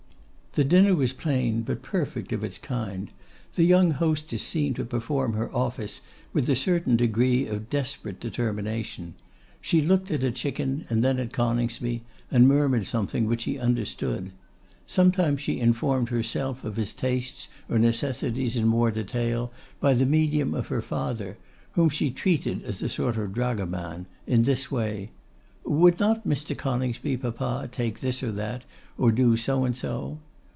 The dinner was plain, but perfect of its kind. The young hostess seemed to perform her office with a certain degree of desperate determination. She looked at a chicken and then at Coningsby, and murmured something which he understood. Sometimes she informed herself of his tastes or necessities in more detail, by the medium of her father, whom she treated as a sort of dragoman; in this way: 'Would not Mr. Coningsby, papa, take this or that, or do so and so?